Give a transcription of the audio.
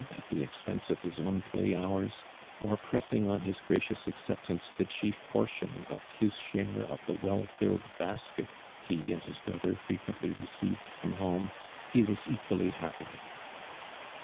at tho ex pense of his own play hours, or pressing on his gracious aci eptance the chief portion of his share of the well filled basket ho and his brother freijuently received from home, ho was eipially happy.